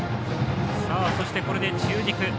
そして、これで中軸。